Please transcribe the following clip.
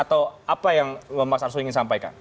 atau apa yang mas arsul ingin sampaikan